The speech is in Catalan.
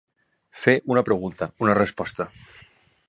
Fer una pregunta, una resposta.